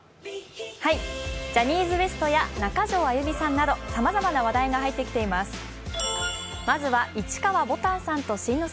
ジャニーズＷＥＳＴや中条あやみさんなどさまざまな話題が入ってきています。